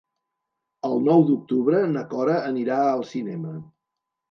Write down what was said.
El nou d'octubre na Cora anirà al cinema.